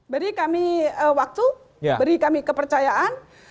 beri kami waktu beri kami kepercayaan